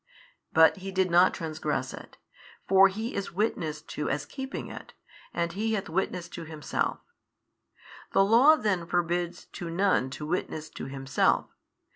But he did not trangress it; for he is witnessed to as keeping it, and he hath witnessed to himself. The Law then forbids to none to witness to himself.